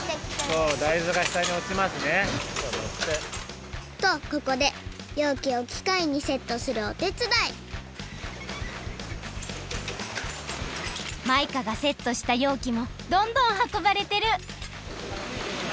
そう大豆がしたにおちますね。とここでようきをきかいにセットするおてつだいマイカがセットしたようきもどんどんはこばれてる！